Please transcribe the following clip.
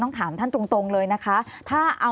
ถามท่านตรงเลยนะคะ